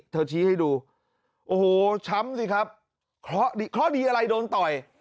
เถอะชี้ให้ดูโอ้โหช้ำสิครับคล้อดีคล้อดีอะไรโดนต่อย